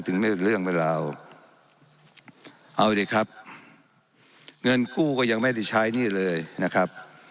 เรื่องเวลาเอาดิครับเงินกู้ก็ยังไม่ได้ใช้หนี้เลยนะครับ